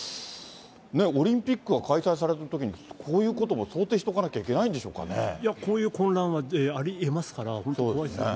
オリンピックは開催されたときに、こういうことも想定しておかなきいや、こういう混乱はありえますから、本当、怖いですね。